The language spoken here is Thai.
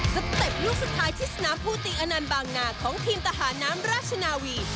สเต็ปลูกสุดท้ายที่สนามผู้ตีอนันต์บางนาของทีมทหารน้ำราชนาวี